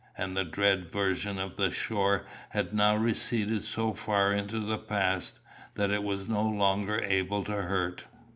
And the dread vision of the shore had now receded so far into the past, that it was no longer able to hurt.